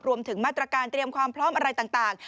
รวมถึงมาตรการเตรียมความพร้อมอะไรต่าง